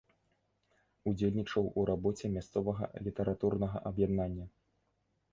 Удзельнічаў у рабоце мясцовага літаратурнага аб'яднання.